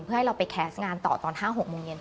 เพื่อให้เราไปแคสต์งานต่อตอน๕๖โมงเย็น